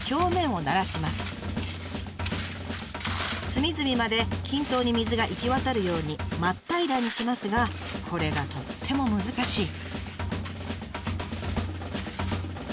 隅々まで均等に水が行き渡るように真っ平らにしますがこれがとっても難しい。